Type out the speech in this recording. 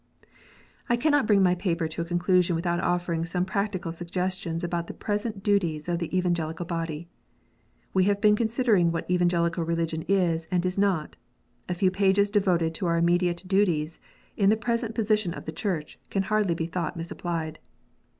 I cannot bring my paper to a conclusion without offering some practical suggestions about the present duties of the Evangelical body. We have been considering what Evangelical religion is and is not. A few pages devoted to our immediate duties, in the present position of the Church, can hardly be thought misapplied.